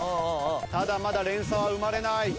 ただまだ連鎖は生まれない。